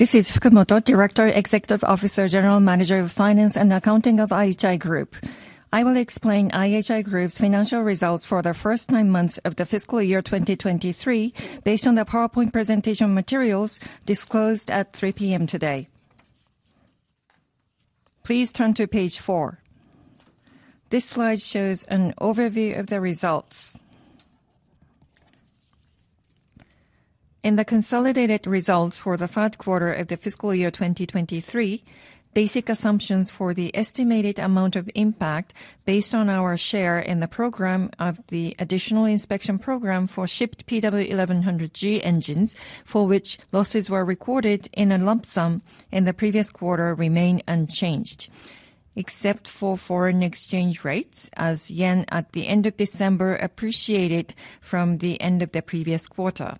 This is Fukumoto, Director Executive Officer, General Manager of Finance and Accounting of IHI Group. I will explain IHI Group's financial results for the first nine months of the fiscal year 2023 based on the PowerPoint presentation materials disclosed at 3:00 P.M. today. Please turn to page four. This slide shows an overview of the results. In the consolidated results for the third quarter of the fiscal year 2023, basic assumptions for the estimated amount of impact based on our share in the program of the additional inspection program for shipped PW1100G engines, for which losses were recorded in a lump sum in the previous quarter, remain unchanged, except for foreign exchange rates, as yen at the end of December appreciated from the end of the previous quarter.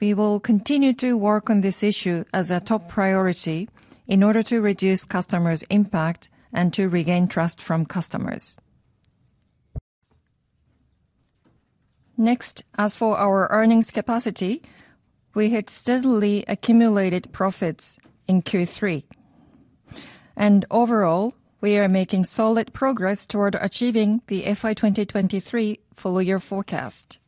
We will continue to work on this issue as a top priority in order to reduce customers' impact and to regain trust from customers. Next, as for our earnings capacity, we had steadily accumulated profits in Q3. Overall, we are making solid progress toward achieving the FY 2023 full year forecast.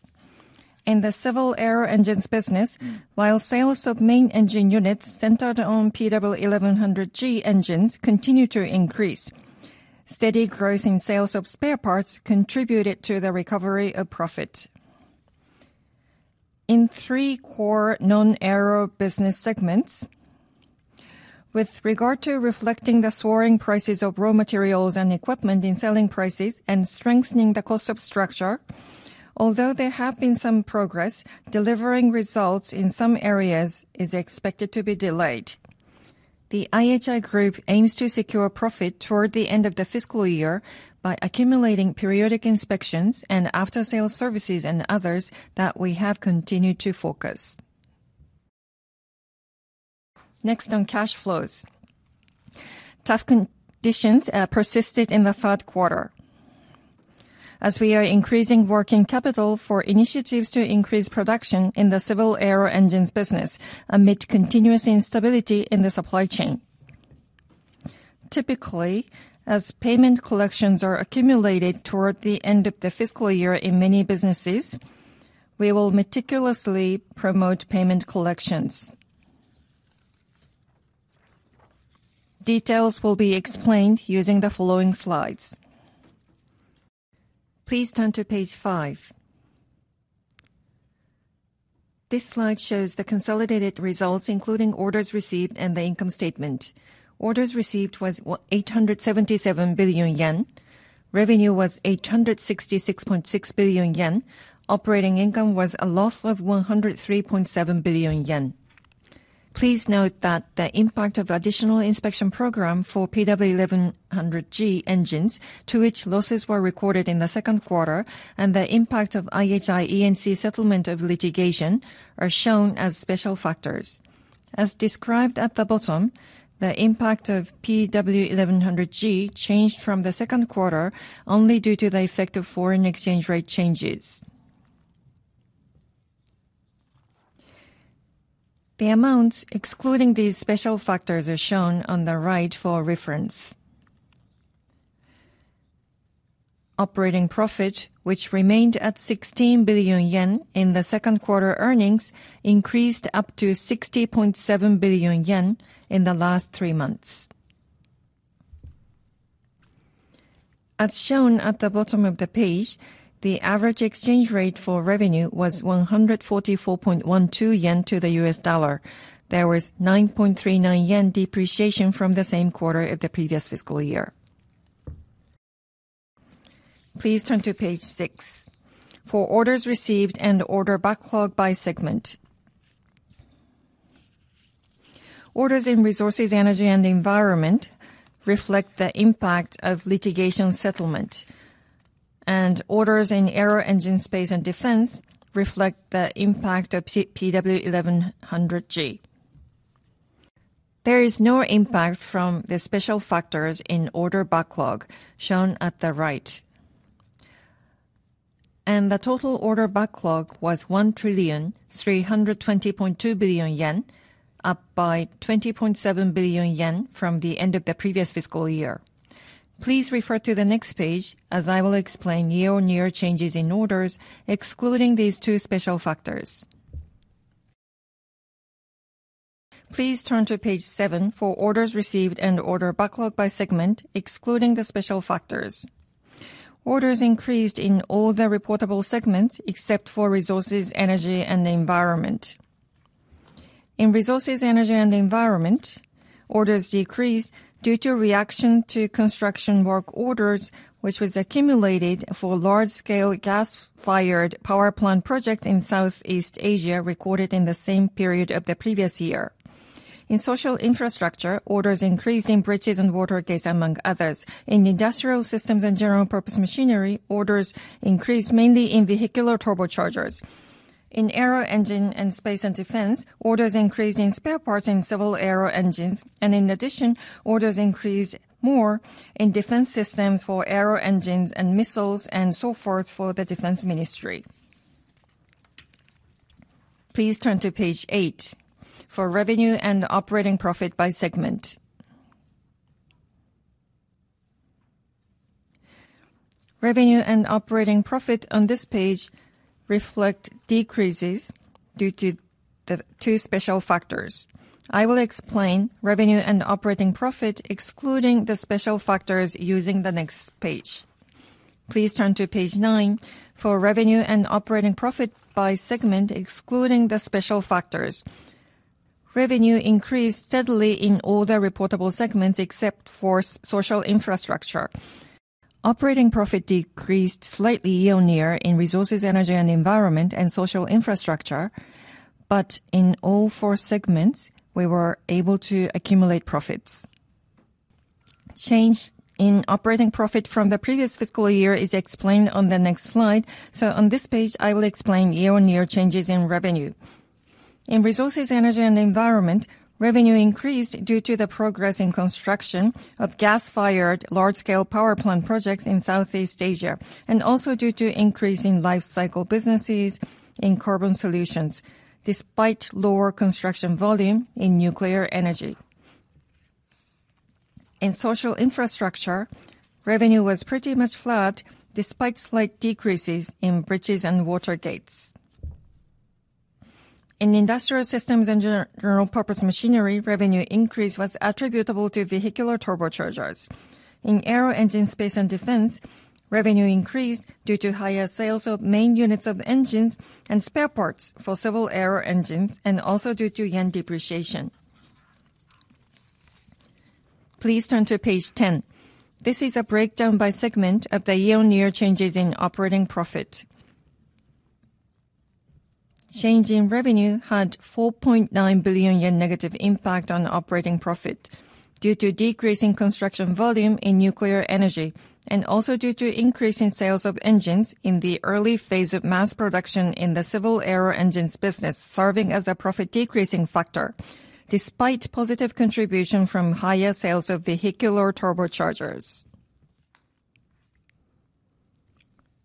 In the Civil aero engines business, while sales of main engine units centered on PW1100G engines continue to increase, steady growth in sales of spare parts contributed to the recovery of profit. In three core non-aero business segments, with regard to reflecting the soaring prices of raw materials and equipment in selling prices and strengthening the cost structure, although there have been some progress, delivering results in some areas is expected to be delayed. The IHI Group aims to secure profit toward the end of the fiscal year by accumulating periodic inspections and after-sales services and others that we have continued to focus. Next on cash flows. Tough conditions persisted in the third quarter, as we are increasing working capital for initiatives to increase production in the Civil aero engines business amid continuous instability in the supply chain. Typically, as payment collections are accumulated toward the end of the fiscal year in many businesses, we will meticulously promote payment collections. Details will be explained using the following slides. Please turn to page five. This slide shows the consolidated results, including orders received and the income statement. Orders received was 877 billion yen. Revenue was 866.6 billion yen. Operating income was a loss of 103.7 billion yen. Please note that the impact of additional inspection program for PW1100G engines, to which losses were recorded in the second quarter, and the impact of IHI E&C settlement of litigation are shown as special factors. As described at the bottom, the impact of PW1100G changed from the second quarter only due to the effect of foreign exchange rate changes. The amounts excluding these special factors are shown on the right for reference. Operating profit, which remained at 16 billion yen in the second quarter earnings, increased up to 60.7 billion yen in the last three months. As shown at the bottom of the page, the average exchange rate for revenue was 144.12 yen to the US dollar. There was 9.39 yen depreciation from the same quarter of the previous fiscal year. Please turn to page six. For orders received and order backlog by segment. Orders in Resources, Energy and Environment reflect the impact of litigation settlement. Orders in Aero Engine, Space and Defense reflect the impact of PW1100G. There is no impact from the special factors in order backlog shown at the right. The total order backlog was 1,320.2 billion yen, up by 20.7 billion yen from the end of the previous fiscal year. Please refer to the next page as I will explain year-on-year changes in orders excluding these two special factors. Please turn to page 7 for orders received and order backlog by segment excluding the special factors. Orders increased in all the reportable segments except for Resources, Energy and Environment. In Resources, Energy and Environment, orders decreased due to reaction to construction work orders, which was accumulated for large-scale gas-fired power plant projects in Southeast Asia recorded in the same period of the previous year. In Social Infrastructure, orders increased in bridges and water gates, among others. In Industrial Systems and General-Purpose Machinery, orders increased mainly in vehicular turbochargers. In Aero Engine, Space and Defense, orders increased in spare parts in Civil aero engines. In addition, orders increased more in defense systems for aero engines and missiles and so forth for the Defense Ministry. Please turn to page eight for revenue and operating profit by segment. Revenue and operating profit on this page reflect decreases due to the two special factors. I will explain revenue and operating profit excluding the special factors using the next page. Please turn to page nine for revenue and operating profit by segment excluding the special factors. Revenue increased steadily in all the reportable segments except for Social Infrastructure. Operating profit decreased slightly year-on-year in Resources, Energy and Environment and Social Infrastructure but in all four segments, we were able to accumulate profits. Change in operating profit from the previous fiscal year is explained on the next slide. So on this page, I will explain year-on-year changes in revenue. In Resources, Energy and Environment, revenue increased due to the progress in construction of gas-fired large-scale power plant projects in Southeast Asia and also due to increase in lifecycle businesses in carbon solutions despite lower construction volume in nuclear energy. In Social Infrastructure, revenue was pretty much flat despite slight decreases in bridges and water gates. In Industrial Systems and General-Purpose Machinery, revenue increase was attributable to vehicular turbochargers. In Aero Engine, Space and Defense, revenue increased due to higher sales of main units of engines and spare parts for Civil aero engines and also due to yen depreciation. Please turn to page 10. This is a breakdown by segment of the year-on-year changes in operating profit. Change in revenue had 4.9 billion yen negative impact on operating profit due to decreasing construction volume in nuclear energy and also due to increasing sales of engines in the early phase of mass production in the Civil aero engines business serving as a profit decreasing factor despite positive contribution from higher sales of vehicular turbochargers.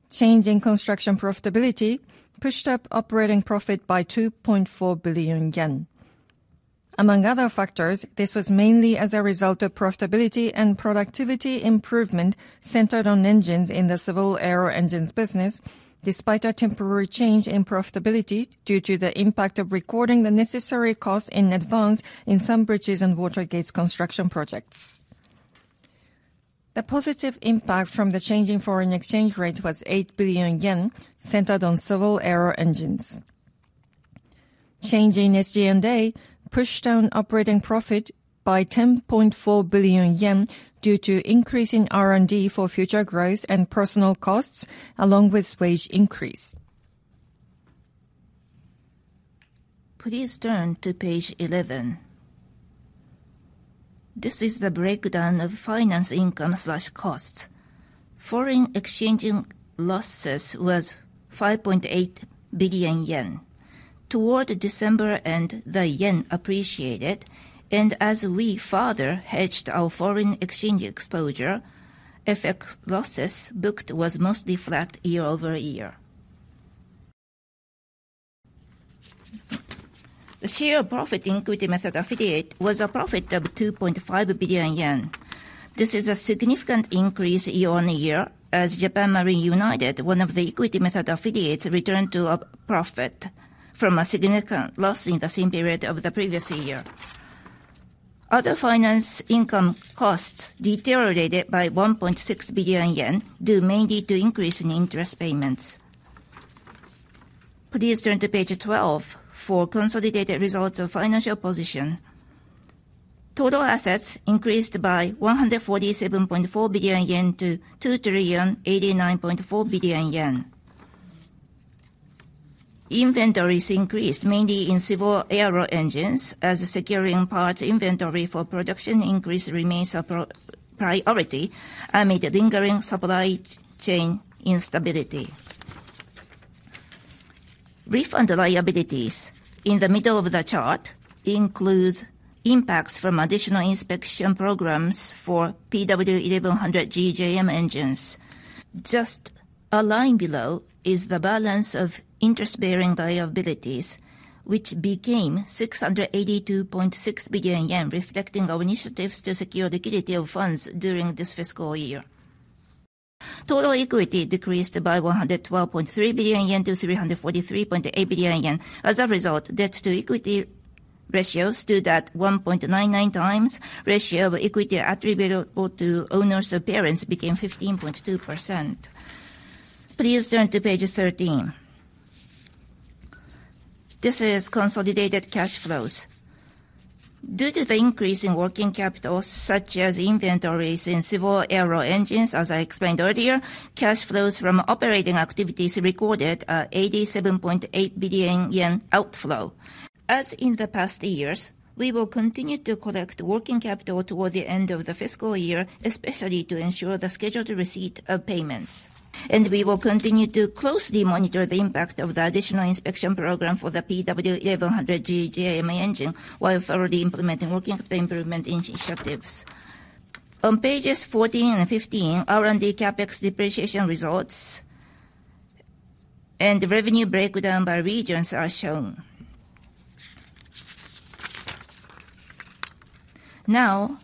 Change in construction profitability pushed up operating profit by 2.4 billion yen. Among other factors, this was mainly as a result of profitability and productivity improvement centered on engines in the Civil aero engines business despite a temporary change in profitability due to the impact of recording the necessary costs in advance in some bridges and water gates construction projects. The positive impact from the changing foreign exchange rate was 8 billion yen centered on Civil aero engines. Change in SG&A pushed down operating profit by 10.4 billion yen due to increasing R&D for future growth and personnel costs along with wage increase. Please turn to page 11. This is the breakdown of finance income/costs. Foreign exchange losses was 5.8 billion yen. Toward December end, the yen appreciated. And as we further hedged our foreign exchange exposure, FX losses booked was mostly flat year-over-year. The share of profit in equity method affiliate was a profit of 2.5 billion yen. This is a significant increase year-on-year as Japan Marine United, one of the equity method affiliates, returned to a profit from a significant loss in the same period of the previous year. Other finance income costs deteriorated by 1.6 billion yen due mainly to increase in interest payments. Please turn to page 12 for consolidated results of financial position. Total assets increased by 147.4 billion yen to 2,089.4 billion yen. Inventories increased mainly in Civil aero engines as securing parts inventory for production increase remains a priority amid lingering supply chain instability. Refund liabilities in the middle of the chart includes impacts from additional inspection programs for PW1100G-JM engines. Just a line below is the balance of interest-bearing liabilities, which became 682.6 billion yen reflecting our initiatives to secure liquidity of funds during this fiscal year. Total equity decreased by 112.3 billion yen to 343.8 billion yen. As a result, debt-to-equity ratios stood at 1.99x ratio of equity attributable to owners of parent became 15.2%. Please turn to page 13. This is consolidated cash flows. Due to the increase in working capital such as inventories in Civil aero engines, as I explained earlier, cash flows from operating activities recorded are 87.8 billion yen outflow. As in the past years, we will continue to collect working capital toward the end of the fiscal year, especially to ensure the scheduled receipt of payments. And we will continue to closely monitor the impact of the additional inspection program for the PW1100G-JM engine while thoroughly implementing working capital improvement initiatives. On pages 14 and 15, R&D CapEx depreciation results and revenue breakdown by regions are shown. Now,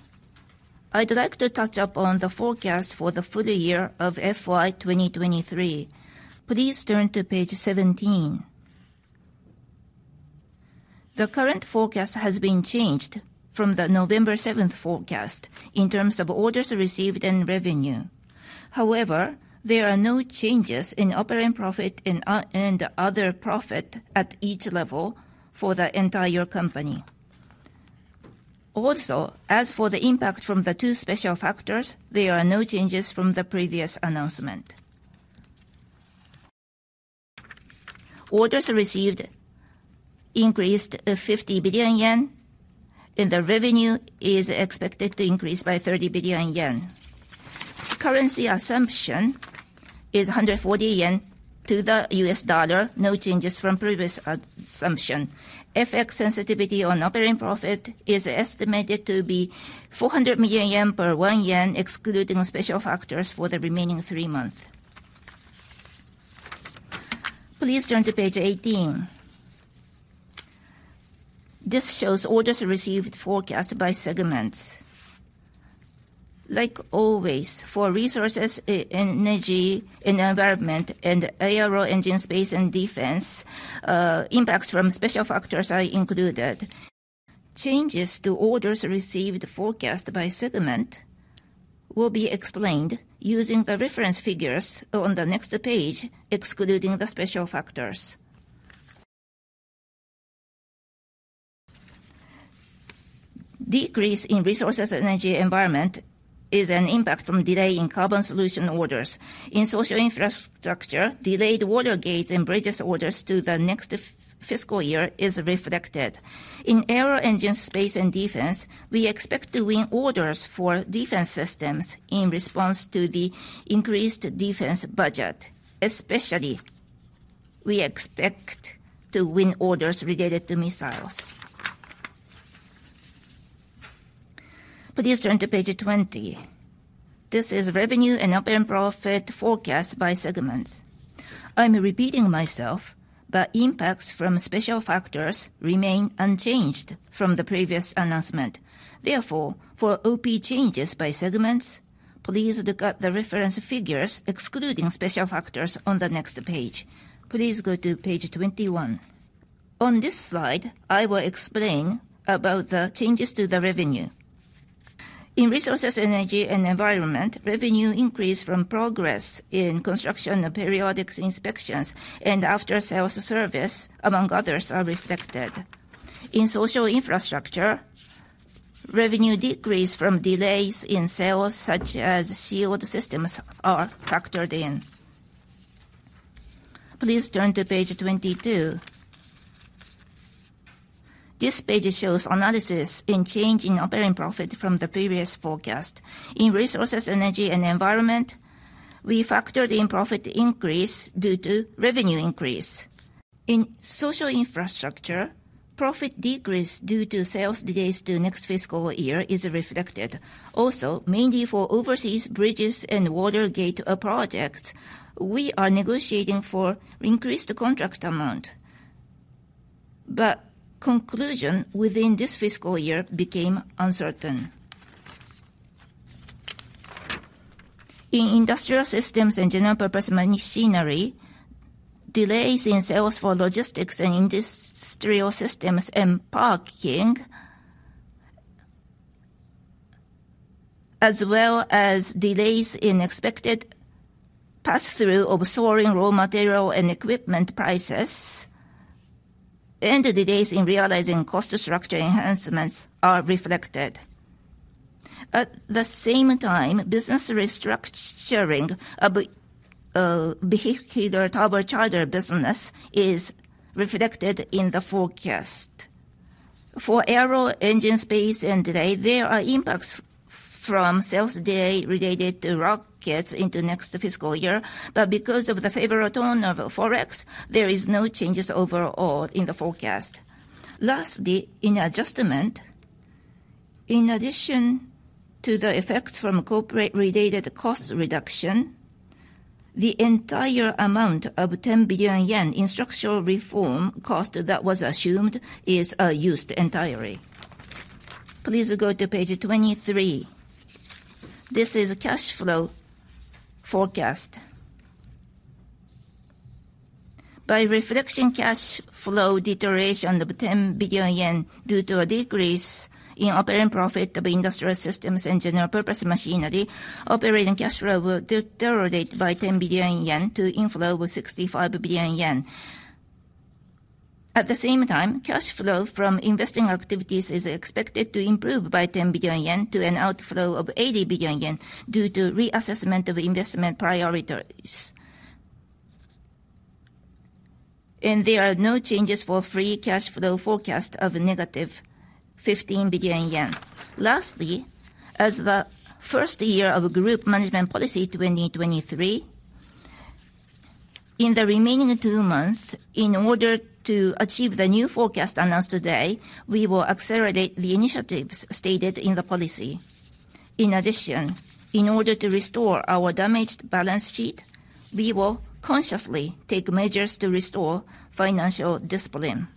I'd like to touch up on the forecast for the full year of FY 2023. Please turn to page 17. The current forecast has been changed from the November 7th forecast in terms of orders received and revenue. However, there are no changes in operating profit and other profit at each level for the entire company. Also, as for the impact from the two special factors, there are no changes from the previous announcement. Orders received increased 50 billion yen, and the revenue is expected to increase by 30 billion yen. Currency assumption is 140 yen to the US dollar, no changes from previous assumption. FX sensitivity on operating profit is estimated to be 400 million yen per 1 yen, excluding special factors for the remaining three months. Please turn to page 18. This shows orders received forecast by segments. Like always, for Resources, Energy and Environment, and Aero Engine, Space and Defense, impacts from special factors are included. Changes to orders received forecast by segment will be explained using the reference figures on the next page, excluding the special factors. Decrease in Resources, Energy and Environment is an impact from delay in carbon solution orders. In Social Infrastructure, delayed water gates and bridges orders to the next fiscal year is reflected. In Aero Engine, Space and Defense, we expect to win orders for defense systems in response to the increased defense budget, especially we expect to win orders related to missiles. Please turn to page 20. This is revenue and operating profit forecast by segments. I'm repeating myself, but impacts from special factors remain unchanged from the previous announcement. Therefore, for OP changes by segments, please look at the reference figures excluding special factors on the next page. Please go to page 21. On this slide, I will explain about the changes to the revenue. In Resources, Energy and Environment, revenue increase from progress in construction and periodic inspections and after-sales service, among others, are reflected. In Social Infrastructure, revenue decrease from delays in sales such as shield systems are factored in. Please turn to page 22. This page shows analysis in change in operating profit from the previous forecast. In Resources, Energy and Environment, we factored in profit increase due to revenue increase. In Social Infrastructure, profit decrease due to sales delays to next fiscal year is reflected. Also, mainly for overseas bridges and water gate projects, we are negotiating for increased contract amount. But conclusion within this fiscal year became uncertain. In Industrial Systems and General-Purpose Machinery, delays in sales for logistics and industrial systems and parking, as well as delays in expected pass-through of soaring raw material and equipment prices, and delays in realizing cost structure enhancements are reflected. At the same time, business restructuring of vehicular turbocharger business is reflected in the forecast. For Aero Engine, Space and Defense, there are impacts from sales delay related to rockets into next fiscal year. But because of the favorable tone of forex, there are no changes overall in the forecast. Lastly, in adjustment, in addition to the effects from corporate-related cost reduction, the entire amount of 10 billion yen in structural reform cost that was assumed is used entirely. Please go to page 23. This is cash flow forecast. By reflecting cash flow deterioration of 10 billion yen due to a decrease in operating profit of Industrial Systems and General-Purpose Machinery, operating cash flow will deteriorate by 10 billion yen to inflow of 65 billion yen. At the same time, cash flow from investing activities is expected to improve by 10 billion yen to an outflow of 80 billion yen due to reassessment of investment priorities. There are no changes for free cash flow forecast of negative 15 billion yen. Lastly, as the first year of Group Management Policies 2023, in the remaining two months, in order to achieve the new forecast announced today, we will accelerate the initiatives stated in the policy. In addition, in order to restore our damaged balance sheet, we will consciously take measures to restore financial discipline.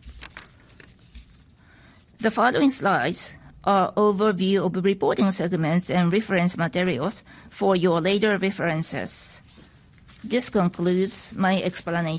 The following slides are an overview of reporting segments and reference materials for your later references. This concludes my explanation.